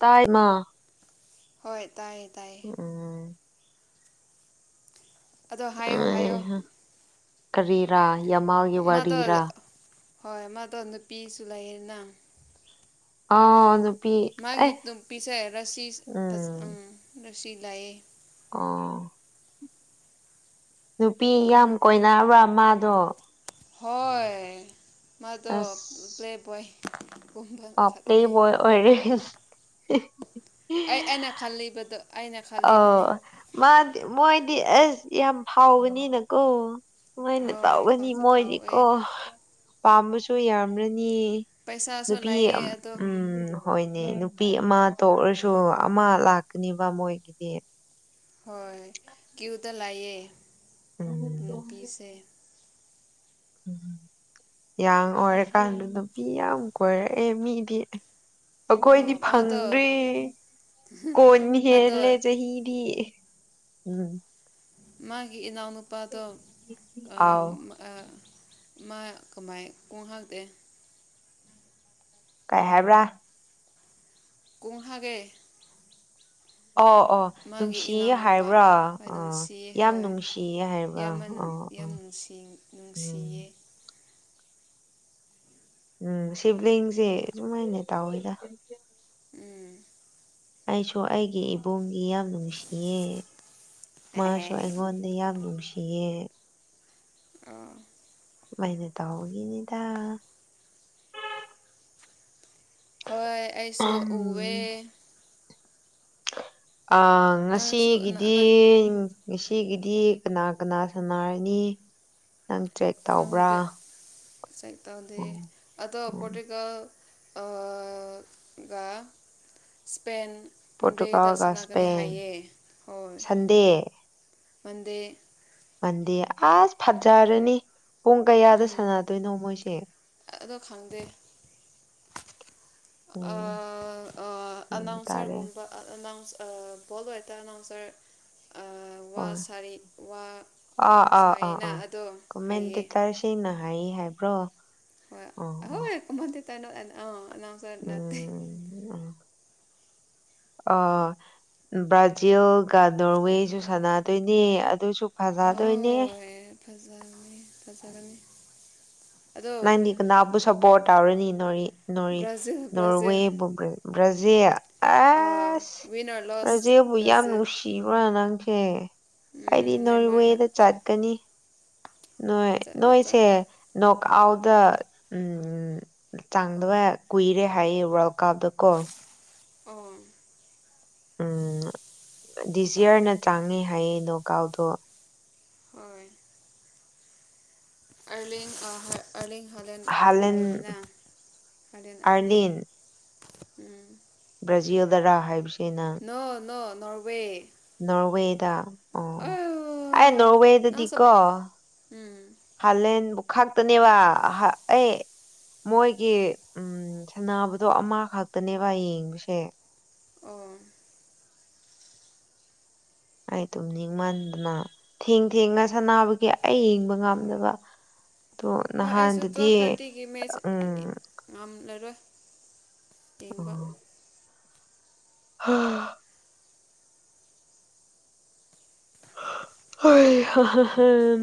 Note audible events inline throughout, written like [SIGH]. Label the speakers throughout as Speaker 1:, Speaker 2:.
Speaker 1: ꯇꯥꯏꯃꯥ
Speaker 2: ꯍꯣꯏ ꯇꯥꯏꯌꯦ ꯇꯥꯏꯌꯦ꯫
Speaker 1: ꯎꯝ꯫
Speaker 2: ꯑꯗꯣ ꯍꯥꯏꯌꯣ ꯍꯥꯏꯌꯣ꯫
Speaker 1: ꯑꯩ ꯀꯔꯤꯔꯥ ꯌꯥꯃꯥꯜꯒꯤ
Speaker 2: ꯃꯥꯗꯣ
Speaker 1: ꯋꯥꯔꯤꯔꯥ?
Speaker 2: ꯍꯣꯏ ꯃꯥꯗꯣ ꯅꯨꯄꯤꯁꯨ ꯂꯩꯌꯅ
Speaker 1: ꯑ ꯅꯨ
Speaker 2: ꯃꯥꯒꯤ ꯅꯨꯄꯤꯁꯦ ꯔꯁꯤꯖ ꯎꯝ ꯔꯁꯤ ꯂꯩꯑꯦ꯫
Speaker 1: ꯑ꯫ ꯅꯨꯄꯤ ꯌꯥꯝ ꯀꯣꯏꯅꯔꯕ꯭ꯔꯥ ꯃꯥꯗꯣ꯫
Speaker 2: ꯍꯣꯏ ꯃꯥꯗꯣ
Speaker 1: ꯑꯁ
Speaker 2: ꯄ꯭ꯂꯦ ꯕꯣꯏ꯫
Speaker 1: ꯑ ꯄ꯭ꯂꯦ ꯕꯣꯏ ꯑꯣꯏꯔꯦ꯫
Speaker 2: ꯑꯩ ꯑꯩꯅ ꯈꯜꯂꯤꯕꯗꯣ ꯑꯩꯅ꯫
Speaker 1: ꯑꯣ
Speaker 2: ꯈꯜꯂꯤꯕꯅꯤ
Speaker 1: ꯃꯥꯗꯤ ꯃꯣꯏꯗꯤ ꯑꯁ ꯌꯥꯝ ꯐꯥꯎꯕꯅꯤꯅꯀꯣ ꯁꯨꯃꯥꯏꯅ
Speaker 2: ꯍꯣꯏ
Speaker 1: ꯇꯧꯒꯅꯤ
Speaker 2: ꯐꯥꯎꯁꯨ
Speaker 1: ꯃꯣꯏꯗꯤꯀꯣ
Speaker 2: ꯐꯥꯎꯋꯦ
Speaker 1: ꯄꯥꯝꯕꯁꯨ ꯌꯥꯔꯝꯂ ꯅꯤ
Speaker 2: ꯄꯩꯁꯥꯁꯨ
Speaker 1: ꯅꯨꯄꯤ ꯎꯝ꯫
Speaker 2: ꯂꯩꯌꯦ ꯑꯗꯣ
Speaker 1: ꯍꯣꯏꯅꯦ ꯅꯨꯄꯤ ꯑꯃ ꯇꯣꯛꯔꯁꯨ ꯑꯃ ꯂꯥꯛꯀꯅꯦꯕ ꯃꯣꯏꯒꯤꯗꯤ꯫
Speaker 2: ꯍꯣꯏ ꯀ꯭ꯌꯨꯗ ꯂꯩꯌꯦ
Speaker 1: ꯎꯝ
Speaker 2: ꯅꯨꯄꯤꯁꯦ꯫
Speaker 1: ꯎꯝ ꯌꯥꯡ ꯑꯣꯏꯔꯀꯥꯟꯗ ꯅꯨꯄꯤ ꯌꯥꯝ ꯀꯣꯏꯔꯛꯑꯦ ꯃꯤꯗꯤ꯫ ꯑꯈꯣꯏꯗꯤ
Speaker 2: ꯑꯣ ꯃꯥꯗꯣ
Speaker 1: ꯐꯪꯗ꯭ꯔꯤ꯫ ꯀꯣꯟꯅꯤ
Speaker 2: ꯃꯥꯗꯣ
Speaker 1: ꯍꯦꯜꯂꯦ ꯆꯍꯤꯗꯤ ꯎꯝ꯫
Speaker 2: ꯃꯥꯒꯤ ꯏꯅꯥꯎꯅꯨꯄꯥꯗꯣ ꯑ꯫
Speaker 1: ꯑꯥꯎ
Speaker 2: ꯑ ꯃꯥ ꯀꯃꯥꯏ ꯈꯣꯡ ꯍꯥꯞꯇꯦ꯫
Speaker 1: ꯀꯩ ꯍꯥꯏꯕ꯭ꯔꯥ꯫
Speaker 2: ꯀꯨꯡꯍꯥꯒꯦ
Speaker 1: ꯑꯣ ꯑꯣ
Speaker 2: ꯃꯥꯒꯤ
Speaker 1: ꯅꯨꯡꯁꯤ
Speaker 2: ꯏꯅꯥꯎꯅꯨꯄꯥ
Speaker 1: ꯍꯥꯏꯕ꯭ꯔꯥ
Speaker 2: ꯍꯣꯏ
Speaker 1: ꯑꯥ
Speaker 2: ꯅꯨꯡꯁꯤꯌꯦ
Speaker 1: ꯌꯥꯝ
Speaker 2: ꯍꯣꯏ
Speaker 1: ꯅꯨꯡꯁꯤꯌꯦ ꯍꯥꯏꯕ꯭ꯔꯥ
Speaker 2: ꯏꯌꯥꯝꯕ
Speaker 1: ꯑꯥ ꯑꯥ
Speaker 2: ꯌꯥꯝ ꯅꯨꯡꯁꯤ ꯅꯨꯡꯁꯤꯌꯦ
Speaker 1: ꯎꯝ ꯎꯝ ꯁꯤꯕꯂꯤꯡꯁꯦ ꯑꯁꯨꯃꯥꯏꯅꯦ ꯇꯧꯋꯦꯗ
Speaker 2: ꯎꯝ
Speaker 1: ꯑꯩꯁꯨ ꯑꯩꯒꯤ ꯏꯕꯨꯡꯁꯤ ꯌꯥꯝ ꯅꯨꯡꯁꯤꯌꯦ ꯃꯥꯁꯨ
Speaker 2: ꯑꯣ
Speaker 1: ꯑꯩꯉꯣꯟ ꯗ ꯌꯥꯝ ꯅꯨꯡꯁꯤꯌꯦ
Speaker 2: ꯑꯥ
Speaker 1: ꯑꯗꯨꯃꯥꯏꯅ ꯇꯧꯕꯒꯤꯅꯤꯗ
Speaker 2: ꯍꯣꯏ ꯑꯩꯁꯨ ꯎꯌꯦ
Speaker 1: ꯎꯝ ꯑꯥ
Speaker 2: ꯅꯪꯁꯨ
Speaker 1: ꯉꯁꯤꯒꯤꯗꯤ
Speaker 2: ꯅꯪ
Speaker 1: ꯉꯁꯤꯒꯤꯗꯤ ꯀꯅꯥ ꯀꯅꯥ ꯁꯥꯟꯅꯔꯅꯤ ꯅꯪ ꯇ꯭ꯔꯦꯛ ꯇꯧꯕ꯭ꯔ
Speaker 2: ꯇ꯭ꯔꯦꯛ ꯇꯧꯗ ꯑꯗꯣ
Speaker 1: ꯎꯝ
Speaker 2: ꯄꯣꯔꯇꯨꯒꯜ ꯒ ꯏꯁ꯭ꯄꯦꯟ ꯃꯟꯗꯦꯗ
Speaker 1: ꯄꯣꯔꯇꯨꯒꯥꯜꯒ
Speaker 2: ꯁꯥꯅꯒꯅꯤ
Speaker 1: ꯏꯁꯄꯦꯟ
Speaker 2: ꯍꯥꯏꯌꯦ ꯍꯣꯏ
Speaker 1: ꯁꯟꯗꯦ
Speaker 2: ꯃꯟꯗꯦ
Speaker 1: ꯃꯟꯗꯦ ꯑꯁ ꯐꯖꯔꯅꯤ ꯄꯨꯡ ꯀꯌꯥꯗ
Speaker 2: ꯎꯝ
Speaker 1: ꯁꯥꯟꯅꯗꯣꯏꯅꯣ ꯃꯣꯏꯁꯦ
Speaker 2: ꯑꯗꯣ ꯈꯪꯗꯦ
Speaker 1: ꯎꯝ ꯌꯦꯡꯕ ꯇꯥꯔꯦ
Speaker 2: ꯑꯅꯥꯎꯟꯁꯔꯒꯨꯝꯕ ꯑꯅꯥꯎꯟꯁꯔ ꯕꯣꯜ ꯑꯅꯥꯎꯟꯁꯔ
Speaker 1: ꯍꯣꯏ
Speaker 2: ꯋꯥ
Speaker 1: ꯑꯥ
Speaker 2: ꯁꯥꯏꯅ ꯑꯗꯣ ꯍꯥꯏꯌꯦ
Speaker 1: ꯑꯩꯅ ꯍꯥꯏꯌꯦ ꯍꯥꯏꯕ꯭ꯔꯣ ꯑꯣ ꯑꯣ
Speaker 2: ꯍꯣꯏ ꯑꯃꯗ ꯇꯅꯣ ꯑ ꯑꯅꯥꯎꯟꯁꯔ ꯅꯠꯇꯦ
Speaker 1: ꯎꯝ
Speaker 2: [UNINTELLIGIBLE]
Speaker 1: ꯑ ꯕ꯭ꯔꯥꯖꯤꯜꯒ ꯅꯣꯔꯋꯦꯁꯨ ꯁꯥꯟꯅꯗꯣꯏꯅꯦ ꯑꯗꯨꯁꯨ ꯐꯖꯗꯣꯏꯅꯦ
Speaker 2: ꯍꯣꯏ ꯐꯖꯅꯤ ꯐꯖꯅꯤ
Speaker 1: ꯅꯪꯗꯤ ꯀꯅꯥꯕꯨ ꯁꯄꯣꯔ ꯇꯧꯔꯅꯤ ꯅꯣꯔꯤ ꯅꯣꯔꯤ
Speaker 2: ꯕ꯭ꯔꯥꯖꯤꯜ ꯕ꯭ꯔꯥꯖꯤꯜ
Speaker 1: ꯅꯣꯔꯋꯦꯕꯨ ꯕ꯭ꯔ ꯕ꯭ꯔꯖꯤꯜ ꯑꯦꯁ
Speaker 2: ꯋꯤꯟꯅꯔ ꯂꯣꯁ
Speaker 1: ꯕ꯭ꯔꯖꯤꯜꯕꯨ ꯌꯥꯝ
Speaker 2: ꯕ꯭ꯔꯥꯖꯤꯜ
Speaker 1: ꯅꯨꯡꯁꯤꯕ꯭ꯔ ꯅꯪꯁꯦ ꯑꯩꯗꯤ
Speaker 2: ꯅꯥꯏꯃꯥꯔꯗ
Speaker 1: ꯅꯣꯔꯋꯦꯗ ꯆꯠꯀꯅꯤ ꯅꯣꯏ
Speaker 2: ꯆꯠꯂꯣ
Speaker 1: ꯅꯣꯏꯁꯦ
Speaker 2: ꯆꯠꯂꯣ
Speaker 1: ꯅꯣꯛ ꯑꯥꯎꯠꯇ ꯎꯝ ꯆꯡꯗꯕ ꯀꯨꯏꯔꯦ ꯍꯥꯏꯌꯦ ꯋꯥꯔꯜ ꯀꯞꯇ ꯀꯣ
Speaker 2: ꯑꯣ
Speaker 1: ꯎꯝ ꯗꯤꯖꯤꯌꯥꯔꯅ ꯆꯡꯉꯦ ꯍꯥꯏꯌꯦ ꯅꯣꯛ ꯑꯥꯎꯠꯗꯣ
Speaker 2: ꯍꯣꯏ ꯑꯔꯂꯤꯡ ꯍꯣꯏ ꯑꯔꯂꯤꯡ ꯍꯂꯥꯟ
Speaker 1: ꯍꯥꯂꯦꯟ
Speaker 2: ꯂꯩꯥꯅ ꯍꯂꯥꯟ ꯑꯔꯂꯤꯡ
Speaker 1: ꯑꯥꯔꯂꯤꯟ ꯕ꯭ꯔꯥꯖꯤꯜꯗꯔ ꯍꯥꯏꯕꯁꯤ ꯅꯪ
Speaker 2: ꯅꯣ ꯅꯣ ꯅꯣꯔꯋꯦ
Speaker 1: ꯅꯣꯔꯋꯦꯗ ꯑꯣ ꯑꯩ
Speaker 2: ꯑꯣ ꯅꯪ
Speaker 1: ꯅꯣꯔꯋꯦꯗꯗꯤ
Speaker 2: ꯁꯞ
Speaker 1: ꯀꯣ
Speaker 2: ꯎꯝ
Speaker 1: ꯍꯂꯦꯟ ꯈꯛꯇꯅꯦꯕ ꯑꯩ ꯃꯣꯏꯒꯤ ꯎꯝ ꯎꯝ ꯁꯥꯟꯅꯕꯗꯣ ꯑꯃ ꯈꯛꯇꯅꯦꯕ ꯌꯦꯡꯕꯁꯦ
Speaker 2: ꯑꯣ
Speaker 1: ꯑꯩ ꯇꯨꯝ ꯅꯤꯡꯃꯟꯗꯅ ꯊꯦꯡ ꯊꯦꯡꯅ ꯁꯥꯟꯅꯕꯒꯤ ꯑꯩ ꯌꯦꯡꯕ ꯉꯝꯗꯕ ꯑꯗꯣ
Speaker 2: ꯍꯣꯏ ꯑꯩꯁꯨ
Speaker 1: ꯅꯍꯥꯟꯗꯨꯗꯤ
Speaker 2: ꯇꯨꯋꯦꯜꯞ ꯊꯥꯔꯇꯤꯒꯤ ꯃꯦꯠꯆ
Speaker 1: ꯎꯝ
Speaker 2: ꯉꯝꯂꯔꯣꯏ ꯌꯦꯡꯕ
Speaker 1: ꯍꯥ ꯍꯣꯢ ꯍꯥ ꯍꯥ ꯍꯥ ꯍꯝ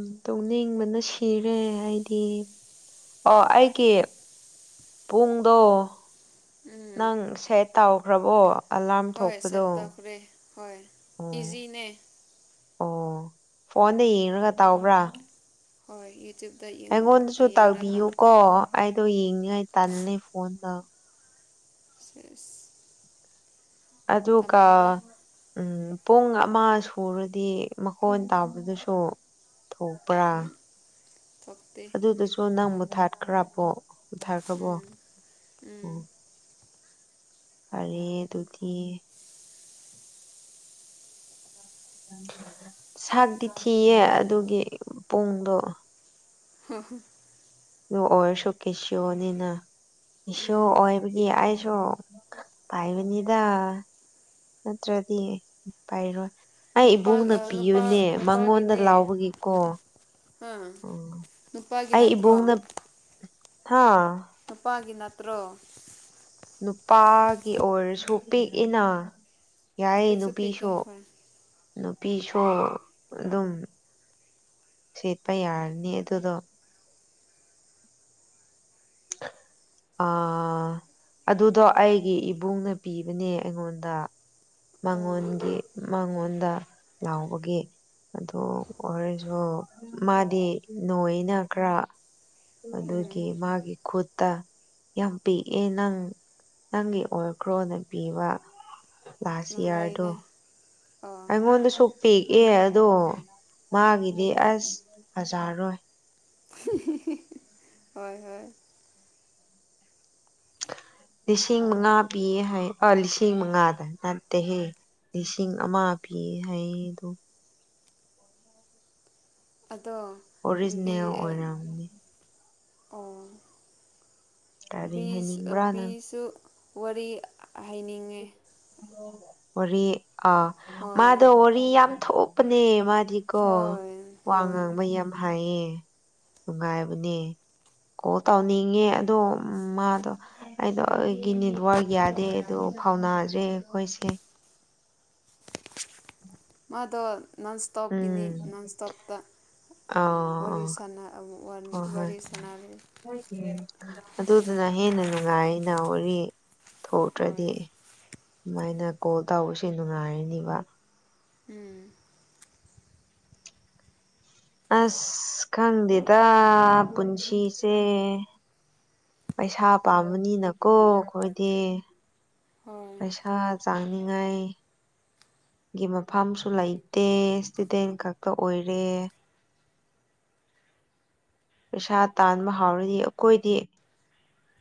Speaker 1: ꯎ ꯇꯧꯅꯤꯡꯕꯅ ꯁꯤꯔꯦ ꯑꯩꯗꯤ ꯑꯣ ꯑꯩꯒꯤ ꯄꯨꯡꯗꯣ
Speaker 2: ꯎꯝ
Speaker 1: ꯅꯪ ꯁꯦꯠ ꯇꯥꯎꯈ꯭ꯔꯕꯣ
Speaker 2: ꯍꯣꯏ ꯁꯦꯠ ꯇꯈ꯭ꯔꯦ ꯍꯣꯏ
Speaker 1: ꯑꯣ
Speaker 2: ꯏꯖꯤꯅꯦ
Speaker 1: ꯑꯣ ꯐꯣꯟꯗ ꯌꯦꯡꯔꯒ ꯇꯥꯎꯕ꯭ꯔꯥ
Speaker 2: ꯍꯣꯏ ꯏꯠ
Speaker 1: ꯑꯩꯉꯣꯟꯗꯁꯨ ꯇꯥꯛꯕꯤꯌꯨ ꯀꯣ ꯑꯩꯗꯣ ꯌꯦꯡꯅꯤꯡꯉꯥꯏ ꯇꯜꯂꯦ ꯐꯣꯟꯗ
Speaker 2: ꯁꯤꯁ
Speaker 1: ꯑꯗꯨꯒ ꯎꯝ ꯄꯨꯡ ꯑꯃ ꯁꯨꯔꯗꯤ ꯃꯈꯣꯟ ꯇꯥꯕꯗꯨꯁꯨ ꯊꯣꯛꯄ꯭ꯔꯥ
Speaker 2: ꯊꯣꯛꯇꯦ
Speaker 1: ꯑꯗꯨꯗꯁꯨ ꯅꯪ ꯃꯨꯊꯥꯈ꯭ꯔꯕꯣ ꯃꯨꯊꯥꯈ꯭ꯔꯕꯣ
Speaker 2: ꯎꯝ
Speaker 1: ꯎ
Speaker 2: ꯎꯝ
Speaker 1: ꯐꯔꯦ ꯗꯨꯗꯤ ꯁꯥꯛꯇꯤ ꯊꯤꯌꯦ ꯑꯗꯨꯒꯤ ꯄꯨꯡꯗꯣ
Speaker 2: [UNINTELLIGIBLE]
Speaker 1: ꯑꯗꯨ ꯑꯣꯏꯔꯁꯨ ꯀꯦꯁꯤꯌꯣꯅꯤꯅ ꯀꯦꯁꯤꯌꯣ
Speaker 2: ꯎꯝ
Speaker 1: ꯑꯣꯏꯕꯒꯤ ꯑꯩꯁꯨ ꯄꯥꯏꯅꯤꯗ ꯅꯠꯇ꯭ꯔꯗꯤ ꯄꯥꯏꯔꯣꯏ ꯑꯩ
Speaker 2: ꯅꯨꯄꯥ
Speaker 1: ꯏꯕꯨꯡꯅ
Speaker 2: ꯅꯨꯄꯥ
Speaker 1: ꯄꯤꯌꯨꯅꯦ ꯃꯉꯣꯟꯗ
Speaker 2: ꯅꯨꯄꯥꯒꯤꯅꯦ
Speaker 1: ꯂꯥꯎꯕꯒꯤꯀꯣ
Speaker 2: ꯍꯥ
Speaker 1: ꯑꯣ
Speaker 2: ꯅꯨꯄꯥꯒꯤ
Speaker 1: ꯑꯩ
Speaker 2: ꯅꯠꯇ꯭ꯔꯣ
Speaker 1: ꯏꯕꯨꯡꯅ ꯍꯥ
Speaker 2: ꯅꯨꯄꯥꯒꯤ ꯅꯠꯇ꯭ꯔꯣ
Speaker 1: ꯅꯨꯄꯥꯒꯤ ꯑꯣꯏꯔꯁꯨ ꯄꯤꯛꯏꯅ ꯌꯥꯏꯌꯦ
Speaker 2: ꯄꯤꯛꯁꯨ
Speaker 1: ꯅꯨꯄꯤ
Speaker 2: ꯄꯤꯛꯑꯦ
Speaker 1: ꯁꯣ
Speaker 2: ꯍꯣꯏ
Speaker 1: ꯅꯨꯄꯤꯁꯨ ꯑꯗꯨꯝ ꯁꯦꯠꯄ ꯌꯥꯔꯅꯤ ꯑꯗꯨꯗꯣ ꯑꯥ ꯑꯗꯨꯗꯣ ꯑꯩꯒꯤ ꯏꯕꯨꯡꯅ ꯄꯤꯕꯅꯦ ꯑꯩꯉꯣꯟꯗ
Speaker 2: ꯑꯣ
Speaker 1: ꯃꯉꯣꯟꯒꯤ ꯃꯉꯣꯟꯗ ꯂꯥꯎꯕꯒꯤ ꯑꯗꯨ ꯑꯣꯏꯔꯖꯨ ꯃꯥꯗꯤ ꯅꯣꯏꯅ ꯈꯔ
Speaker 2: ꯎꯝ
Speaker 1: ꯑꯗꯨꯒꯤ ꯃꯥꯒꯤ ꯈꯨꯠꯇ ꯌꯥꯝ ꯄꯤꯛꯑꯦ ꯅꯪ ꯅꯪꯒꯤ ꯑꯣꯏꯈ꯭ꯔꯣꯅ ꯄꯤꯕ ꯂꯥꯁ ꯌꯔꯗꯣ
Speaker 2: ꯃꯉꯥꯏꯅꯦ ꯑꯣ
Speaker 1: ꯑꯩꯉꯣꯟꯗꯁꯨ ꯄꯦꯛꯑꯦ ꯑꯗꯣ ꯃꯥꯒꯤꯗꯤ ꯑꯁ ꯐꯖꯔꯣꯏ
Speaker 2: [UNINTELLIGIBLE] ꯍꯣꯏ ꯍꯣꯏ
Speaker 1: ꯂꯤꯁꯤꯡ ꯃꯉꯥ ꯄꯤꯌꯦ ꯍꯥꯏ ꯑꯥ ꯂꯤꯁꯤꯡ ꯃꯉꯥꯗ ꯅꯠꯇꯦꯍꯦ ꯂꯤꯁꯤꯡ ꯑꯃ ꯄꯤ ꯍꯥꯏ ꯗꯣ
Speaker 2: ꯑꯗꯣ ꯕꯤ
Speaker 1: ꯑꯣꯔꯤꯖꯤꯅꯦꯜ
Speaker 2: ꯑꯦ
Speaker 1: ꯑꯣꯏꯔꯝꯅꯤ
Speaker 2: ꯑꯣ
Speaker 1: ꯀꯔꯤ
Speaker 2: ꯕꯤ
Speaker 1: ꯍꯥꯏꯅꯤꯡꯕ꯭ꯔꯥ ꯅꯪ
Speaker 2: ꯕꯤꯁꯨ ꯋꯥꯔꯤ ꯍꯥꯏꯅꯤꯡꯉꯦ
Speaker 1: ꯋꯥꯔꯤ ꯑꯥ
Speaker 2: ꯍꯣꯏ
Speaker 1: ꯃꯥꯗꯣ ꯋꯥꯔꯤ ꯌꯥꯝ ꯊꯣꯛꯄꯅꯦ ꯃꯥ ꯗꯤꯀꯣ
Speaker 2: ꯍꯣꯏ
Speaker 1: ꯋꯥ
Speaker 2: ꯍꯣꯏ
Speaker 1: ꯉꯥꯡꯕ ꯌꯥꯝ ꯍꯥꯏꯌꯦ ꯅꯨꯡꯉꯥꯏꯕꯅꯦ ꯀꯣꯜ ꯇꯧꯅꯤꯡꯉꯦ ꯑꯗꯣ ꯃꯥꯗꯣ ꯑꯩꯗꯣ ꯑꯩꯒꯤ ꯅꯦꯠꯋꯥꯔꯛ ꯌꯥꯗꯦ ꯑꯗꯣ ꯐꯥꯎꯅꯗ꯭ꯔꯦ ꯑꯩꯈꯣꯏꯁꯦ
Speaker 2: ꯃꯥꯗꯣ ꯅꯟ ꯁ꯭ꯇꯣꯞꯀꯤꯅꯤ
Speaker 1: ꯎꯝ
Speaker 2: ꯅꯟ ꯁ꯭ꯇꯣꯞꯇ ꯋꯥꯔꯤ
Speaker 1: ꯑꯥ
Speaker 2: ꯁꯥꯟꯅ ꯑꯥ ꯋꯥꯔꯤ ꯁꯥꯟꯅꯔꯦ
Speaker 1: ꯑꯗꯨꯗꯨꯅ ꯍꯦꯟꯅ ꯅꯨꯡꯉꯥꯏꯅ ꯋꯥꯔꯤ꯫
Speaker 2: ꯍꯣꯏ
Speaker 1: ꯊꯣꯛꯇ꯭ꯔꯗꯤ ꯁꯨꯃꯥꯏꯅ ꯀꯣꯜ ꯇꯧꯕꯁꯦ ꯅꯨꯡꯉꯥꯏꯔꯅꯤꯕ꯫
Speaker 2: ꯎꯝ꯫
Speaker 1: ꯑꯁ ꯈꯪꯗꯦꯗ ꯄꯨꯟꯁꯤꯁꯦ ꯄꯩꯁꯥ ꯄꯥꯝꯕꯅꯤꯅꯀꯣ ꯑꯈꯣꯏꯗꯤ꯫
Speaker 2: ꯍꯣꯏ
Speaker 1: ꯄꯩꯁꯥ ꯆꯥꯡꯅꯤꯡꯉꯥꯏ ꯒꯤ ꯃꯐꯝꯁꯨ ꯂꯩꯇꯦ ꯏꯁꯇꯨꯗꯦꯟ ꯈꯛꯇ ꯑꯣꯏꯔꯦ꯫ ꯄꯩꯁꯥ ꯇꯥꯟꯕ ꯍꯥꯎꯔꯗꯤ ꯑꯈꯣꯏꯗꯤ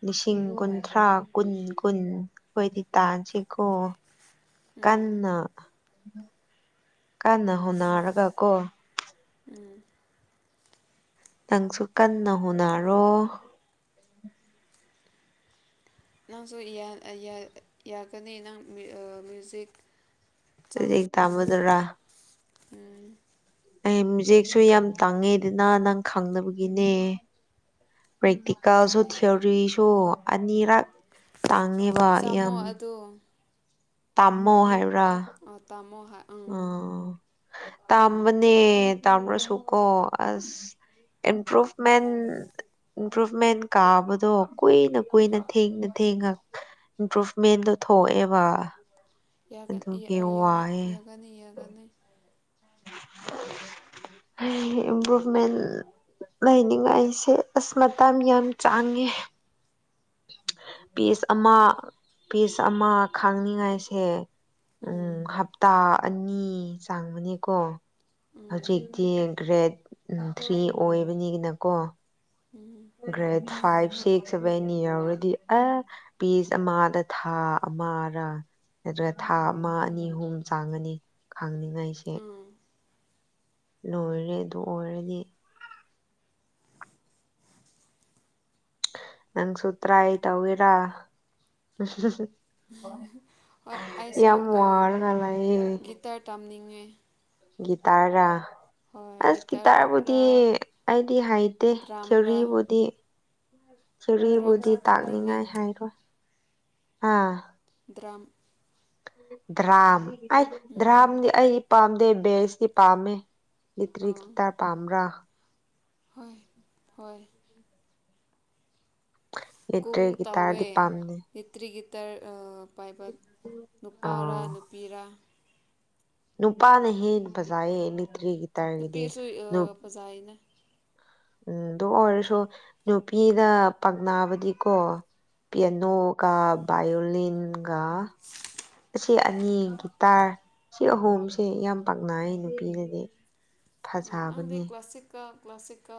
Speaker 1: ꯂꯤꯁꯤꯡ ꯀꯨꯟꯊ꯭ꯔꯥ ꯀꯨꯟ ꯀꯨꯟ ꯑꯈꯣꯏꯗꯤ ꯇꯥꯟꯁꯤꯀꯣ꯫
Speaker 2: ꯎꯝ
Speaker 1: ꯀꯟꯅ ꯀꯟꯅ ꯍꯣꯅꯔꯒ ꯀꯣ꯫
Speaker 2: ꯎꯝ꯫
Speaker 1: ꯅꯪꯁꯨ ꯀꯟꯅ ꯍꯣꯠꯅꯔꯣ꯫
Speaker 2: ꯅꯪꯁꯨ ꯌꯥ ꯌꯥ ꯌꯥꯒꯅꯤ ꯅꯪ ꯃ꯭ꯌꯨꯖꯤꯛ ꯆꯝꯔꯤ
Speaker 1: ꯂꯥꯏꯔꯤꯛ ꯇꯝꯕꯗꯔꯥ
Speaker 2: [INAUDIBLE] ꯎꯝ꯫
Speaker 1: ꯑꯩ ꯃꯌꯖꯤꯦꯛꯁꯨ ꯌꯥꯝ ꯇꯥꯡꯉꯦꯗꯅ ꯅꯪ ꯈꯪꯗꯕꯒꯤꯅꯦ꯫ ꯄ꯭ꯔꯦꯛꯇꯤꯀꯦꯜꯁꯨ
Speaker 2: ꯌꯥꯒꯅꯤ
Speaker 1: ꯊꯤꯑꯣꯔꯤꯁꯨ ꯑꯅꯤꯔꯛ ꯇꯥꯡꯉꯦ꯫
Speaker 2: ꯆꯥꯝꯃꯣ ꯑꯗꯨ꯫
Speaker 1: ꯇꯥꯝꯃꯣ ꯍꯥꯏꯕ꯭ꯔꯥ?
Speaker 2: ꯑꯥ ꯇꯝꯃꯣ ꯍꯣꯏ꯫
Speaker 1: ꯑꯣ꯫ ꯇꯥꯝꯕꯅꯦ ꯇꯥꯝꯂꯁꯨꯀꯣ ꯑꯁ꯫ ꯏꯝꯄ꯭ꯔꯨꯞꯚꯃꯦꯟ ꯏꯝꯄ꯭ꯔꯚꯃꯦꯟ ꯀꯥꯕꯗꯣ ꯀꯨꯏꯅ ꯀꯨꯏꯅ
Speaker 2: ꯎꯝ
Speaker 1: ꯊꯦꯡꯅ ꯊꯦꯡꯉ ꯏꯝꯄ꯭ꯔꯨꯚꯃꯦꯟꯗꯣ ꯊꯣꯛꯑꯦꯕ꯫
Speaker 2: ꯌꯥꯒꯅꯤ
Speaker 1: ꯑꯗꯨꯒꯤ
Speaker 2: ꯌꯥꯔꯛ
Speaker 1: ꯋꯥꯏꯌꯦ
Speaker 2: ꯌꯥꯒꯅꯤ ꯌꯥꯒꯅꯤ꯫
Speaker 1: ꯍꯩ ꯏꯝꯄ꯭ꯔꯨꯚꯃꯦꯟ ꯂꯩꯅꯤꯡꯉꯥꯏꯁꯦ ꯑꯁ ꯃꯇꯝ ꯌꯥꯝ ꯆꯪꯉꯦ꯫ ꯄꯤꯁ ꯑꯃ ꯄꯤꯁ ꯑꯃ ꯈꯥꯡꯅꯤꯡꯉꯥꯏꯁꯦ ꯎꯝ ꯍꯞꯇꯥ ꯑꯅꯤ ꯆꯥꯡꯕꯅꯦꯀꯣ
Speaker 2: ꯎꯝ
Speaker 1: ꯍꯧꯖꯤꯛꯇꯤ ꯒ꯭ꯔꯦꯗ ꯊ꯭ꯔꯤ ꯑꯣꯏꯕꯅꯤꯒꯤꯅꯀꯣ꯫
Speaker 2: ꯎꯝ꯫
Speaker 1: ꯒ꯭ꯔꯦꯗ ꯐꯥꯏꯚ ꯁꯤꯛꯁ ꯁꯕꯦꯟ ꯌꯥꯎꯔꯗꯤ ꯑꯥ ꯄꯤꯁ ꯑꯃꯗ ꯊꯥ ꯑꯃꯔ ꯅꯠꯇ꯭ꯔ ꯊꯥ ꯑꯃ ꯑꯅꯤ ꯑꯍꯨꯝ ꯆꯥꯡꯉꯅꯤ ꯈꯥꯡꯅꯤꯡꯉꯥꯏꯁꯦ꯫
Speaker 2: ꯎꯝ
Speaker 1: ꯂꯣꯏꯔꯦ ꯑꯗꯨ ꯑꯣꯏꯔꯗꯤ꯫ ꯅꯪꯁꯨ ꯇ꯭ꯔꯥꯏ ꯇꯧꯒꯦꯔꯥ?
Speaker 2: ꯍꯣꯏ ꯑꯩꯁꯨ
Speaker 1: ꯋꯥꯔꯒ ꯂꯩꯌꯦ
Speaker 2: ꯒꯤꯇꯔ ꯇꯝꯅꯤꯡꯉꯦ꯫
Speaker 1: ꯒꯤꯇꯥꯔꯔꯥ?
Speaker 2: ꯍꯣꯏ
Speaker 1: ꯑꯁ ꯒꯤꯇꯥꯔꯕꯨꯗꯤ
Speaker 2: ꯒꯤꯇꯔꯔ
Speaker 1: ꯑꯩꯗꯤ ꯍꯩꯇꯦ
Speaker 2: ꯗ꯭ꯔꯥꯝꯔ
Speaker 1: ꯊꯤꯑꯣꯔꯤꯕꯨꯗꯤ ꯊꯤꯑꯣꯔꯤꯕꯨꯗꯤ
Speaker 2: ꯗ꯭ꯔꯝꯁꯨ ꯇꯝꯅꯤꯡꯉꯦ
Speaker 1: ꯇꯥꯛꯅꯤꯉꯥꯏ ꯍꯥꯏꯔꯣꯏ ꯍꯥ꯫
Speaker 2: ꯗ꯭ꯔꯝ꯫
Speaker 1: ꯗ꯭ꯔꯥꯝ ꯑꯩ
Speaker 2: ꯎꯝ
Speaker 1: ꯗ꯭ꯔꯥꯝꯗꯤ ꯑꯩ ꯄꯥꯝꯗꯦ ꯕꯦꯁꯇꯤ ꯄꯥꯝꯃꯦ꯫
Speaker 2: ꯑꯥ
Speaker 1: ꯂꯤꯇ꯭ꯔꯤꯛꯁꯇ ꯄꯥꯝ꯭ꯔꯥ?
Speaker 2: ꯍꯣꯏ ꯍꯣꯏ꯫
Speaker 1: [INAUDIBLE]
Speaker 2: ꯀꯨꯜ
Speaker 1: ꯏꯂꯦꯛꯇ꯭ꯔꯤꯛ
Speaker 2: ꯇꯧꯋꯦ꯫
Speaker 1: ꯒꯤꯇꯥꯔꯗꯤ ꯄꯥꯝꯗꯦ
Speaker 2: ꯕꯦꯇ꯭ꯔꯤ ꯒꯤꯇꯔ ꯑꯥ ꯄꯥꯏꯕ ꯅꯨꯄꯥꯔꯥ
Speaker 1: ꯑꯥ
Speaker 2: ꯅꯨꯄꯤꯔꯥ
Speaker 1: ꯅꯨꯄꯥꯅ ꯍꯦꯟꯅ ꯐꯖꯩꯌꯦ ꯕꯦꯇ꯭ꯔꯤ ꯒꯤꯇꯥꯔꯒꯤꯗꯤ
Speaker 2: ꯐꯖꯥꯏꯅꯦ
Speaker 1: ꯎꯝ ꯑꯗꯨ ꯑꯣꯏꯔꯁꯨ ꯅꯨꯄꯤꯒ ꯄꯛꯅꯥꯕꯗꯤꯀꯣ ꯄꯤꯌꯥꯅꯣꯒ ꯕꯥꯌꯣꯂꯤꯟꯒ ꯑꯁꯤ ꯑꯅꯤ ꯒꯤꯇꯥꯔ ꯁꯤ ꯑꯍꯨꯝꯁꯦ ꯌꯥꯝ ꯄꯥꯛꯅꯩ ꯅꯨꯄꯤꯅꯗꯤ
Speaker 2: ꯎꯝ ꯅꯪꯗꯤ ꯀ꯭ꯂꯥꯁꯤꯛ ꯀ ꯀ꯭ꯂꯥꯁꯤꯛꯀ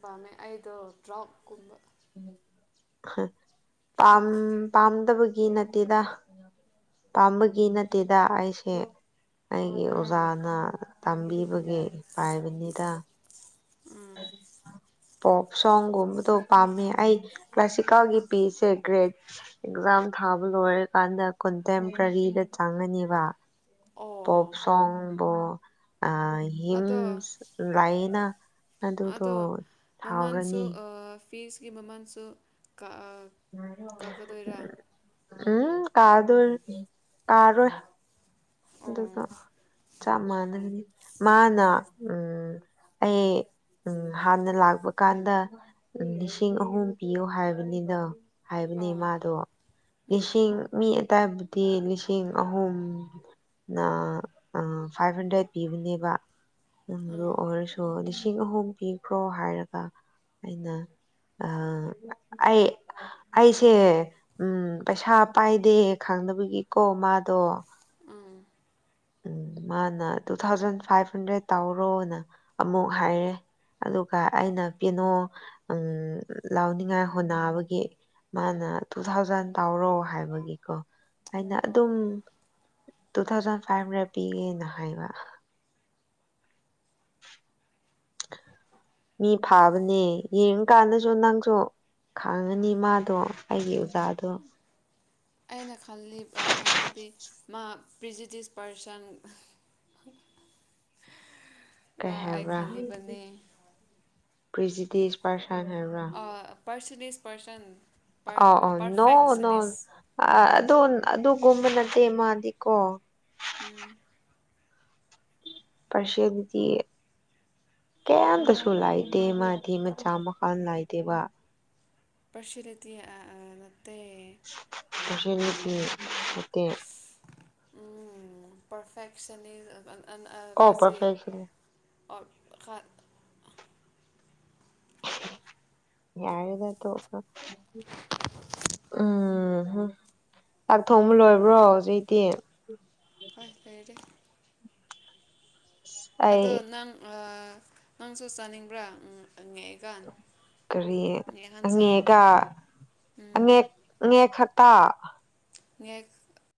Speaker 2: ꯄꯥꯝꯃꯦ ꯑꯩꯗꯣ ꯗ꯭ꯔꯥꯎꯞ ꯀꯨꯝꯕ
Speaker 1: ꯍꯥ ꯄꯥꯝ
Speaker 2: ꯗ꯭ꯔꯛ
Speaker 1: ꯄꯥꯝꯗꯕꯒꯤ ꯅꯠꯇꯦꯗ ꯄꯥꯝꯕꯒꯤ ꯅꯠꯇꯦꯗ ꯑꯩꯁꯦ ꯑꯩꯒꯤ
Speaker 2: ꯎꯝ
Speaker 1: ꯑꯣꯖꯥꯅ ꯇꯝꯕꯤꯕꯒꯤ ꯄꯥꯏꯕꯅꯤꯗ
Speaker 2: ꯎꯝ
Speaker 1: ꯄꯣꯞ ꯁꯣꯡꯒꯨꯝꯕꯗꯣ ꯄꯥꯝꯃꯦ ꯑꯩ ꯀ꯭ꯂꯥꯁꯤꯀꯦꯜꯒꯤ ꯄꯤꯁꯦ ꯒ꯭ꯔꯦꯠ ꯑꯦꯛꯖꯥꯝ ꯊꯥꯕ ꯂꯣꯏꯔꯀꯥꯟꯗ ꯀꯟꯇꯦꯝꯄꯔꯔꯤꯗ ꯆꯪꯉꯅꯦꯕ
Speaker 2: ꯑꯣ
Speaker 1: ꯄꯣꯞ ꯁꯣꯡꯕꯨ ꯑꯥ ꯍꯤꯟ
Speaker 2: ꯑꯗꯣ
Speaker 1: ꯂꯥꯏꯅꯥ
Speaker 2: ꯑꯗꯣ ꯃꯃꯜꯁꯨ ꯑꯥ ꯐꯤꯁꯀꯤ ꯃꯃꯜꯁꯨ ꯀꯥꯑ
Speaker 1: ꯎꯝ ꯀꯥꯗꯣꯏꯅꯤ ꯀꯥꯔꯣꯏ
Speaker 2: ꯑꯣ
Speaker 1: ꯑꯗꯨꯒ ꯆꯞ ꯃꯥꯟꯅꯒꯅꯤ ꯃꯥꯅ ꯎꯝ ꯑꯩ ꯎꯝ ꯍꯥꯟꯅ ꯂꯥꯛꯄ ꯀꯥꯟꯗ ꯂꯤꯁꯤꯡ ꯑꯍꯨꯝ ꯄꯤꯌꯣ ꯍꯥꯏꯕꯅꯤꯅ ꯍꯥꯏꯕꯅꯦ
Speaker 2: ꯑꯥ
Speaker 1: ꯃꯥꯗꯣ
Speaker 2: ꯎꯝ
Speaker 1: ꯂꯤꯁꯤꯡ ꯃꯤ ꯑꯇꯥꯏꯕꯨꯗꯤ ꯂꯤꯁꯤꯡ ꯑꯍꯨꯝ ꯅꯥ ꯑꯥ ꯐꯥꯏꯚ ꯍꯟꯗ꯭ꯔꯦꯗ ꯄꯤꯕꯅꯦꯕ
Speaker 2: ꯎꯝ
Speaker 1: ꯑꯣꯏꯔꯁꯨ ꯂꯤꯁꯤꯡ ꯑꯍꯨꯝ ꯄꯤꯈ꯭ꯔꯣ ꯍꯥꯏꯔꯒ ꯑꯩꯅ ꯑꯥ ꯑꯩ ꯑꯩꯁꯦ ꯎꯝ ꯄꯩꯁꯥ ꯄꯥꯏꯗꯦ ꯈꯪꯗꯕꯒꯤꯀꯣ ꯃꯥꯗꯣ
Speaker 2: ꯎꯝ
Speaker 1: ꯎꯝ ꯃꯥꯅ ꯇꯨ ꯊꯥꯎꯖꯟ ꯐꯥꯏꯚ ꯍꯟꯗ꯭ꯔꯦꯗ ꯇꯧꯔꯣꯅ ꯑꯃꯨꯛ ꯍꯥꯏꯔꯦ ꯑꯗꯨꯒ ꯑꯩꯅ ꯄꯦꯌꯥꯅꯣ ꯎꯝ ꯂꯥꯎꯅꯤꯡꯉꯥꯏ ꯍꯣꯠꯅꯕꯒꯤ ꯃꯥꯅ ꯇꯨ ꯊꯥꯎꯖꯟ ꯇꯧꯔꯣ ꯍꯥꯏꯕꯒꯤꯀꯣ ꯑꯩꯅ
Speaker 2: ꯑꯣ ꯑꯣ
Speaker 1: ꯑꯗꯨꯝ ꯇꯨ ꯊꯥꯎꯖꯟ ꯐꯥꯏꯚ ꯍꯟꯗ꯭ꯔꯦꯠ ꯄꯤꯒꯦꯅ ꯍꯥꯏꯕ
Speaker 2: [INAUDIBLE]
Speaker 1: ꯃꯤ ꯐꯥꯕꯅꯦ ꯌꯦꯡ ꯀꯥꯟꯗꯁꯨ ꯅꯪꯁꯨ ꯈꯡꯉꯒꯅꯤ ꯃꯥꯗꯣ ꯑꯩꯒꯤ ꯑꯣꯖꯥꯗꯣ
Speaker 2: ꯑꯩꯅ ꯈꯜꯂꯤ ꯑꯥ ꯈꯟꯕꯗꯤ ꯃꯥ ꯄ꯭ꯔꯤꯖꯤꯇꯤꯁ ꯄꯥꯔꯁꯟ ꯔꯥ ꯑꯩ ꯈꯜꯂꯤꯕꯅꯦ
Speaker 1: ꯄ꯭ꯔꯤꯁꯤꯗꯤꯁ ꯄꯥꯔꯁꯟ ꯍꯥꯏꯕ꯭ꯔꯥ
Speaker 2: ꯄꯥꯔꯁꯇꯦꯖ ꯄꯔꯁꯟ
Speaker 1: ꯑꯥꯎ ꯑꯥꯎ ꯅꯣ ꯅꯣ
Speaker 2: ꯄꯔꯐꯦꯛꯁꯅꯤꯁ
Speaker 1: ꯑꯗꯨ ꯑꯗꯨꯒꯨꯝꯕ ꯅꯠꯇꯦ ꯃꯥꯗꯤꯀꯣ
Speaker 2: ꯎꯝ
Speaker 1: ꯄꯔꯁꯤꯗꯤ ꯀꯌꯥꯝꯇꯁꯨ ꯂꯥꯏꯇꯦ ꯃꯥꯗꯤ ꯃꯆꯥ ꯃꯈ ꯅꯥꯏꯗꯦꯕ
Speaker 2: ꯄꯁꯤꯂꯗꯤ ꯑꯥ ꯑꯥ ꯅꯠꯇꯦ
Speaker 1: [INAUDIBLE]
Speaker 2: ꯎꯝ ꯄꯔꯐꯦꯛꯁꯟꯅꯤ ꯑꯥ ꯑꯟ ꯑꯥ
Speaker 1: ꯑꯣ
Speaker 2: ꯀꯥꯁꯤ
Speaker 1: ꯄꯔꯐꯦꯛꯁꯟ
Speaker 2: ꯑꯣ ꯈꯠ
Speaker 1: ꯌꯥꯔꯗ ꯇꯣꯛ ꯑꯣ ꯎꯝ ꯍꯨꯝ ꯆꯥꯛ ꯊꯣꯡꯕ ꯂꯣꯏꯔꯕ꯭ꯔꯣ ꯍꯨꯖꯤꯛꯗꯤ
Speaker 2: ꯍꯣꯏꯐꯦꯔꯦ
Speaker 1: ꯑꯩ
Speaker 2: ꯑꯗꯣ ꯅꯪ ꯑꯥ ꯅꯪꯁꯨ ꯆꯥꯅꯤꯡꯕ꯭ꯔꯥ ꯎꯡ ꯑꯉꯦꯛ
Speaker 1: ꯀꯔꯤ ꯑꯉꯦꯛꯀ ꯑꯉꯦꯛ ꯉꯦꯛ ꯈꯛꯇ
Speaker 2: ꯉꯦꯛ ꯫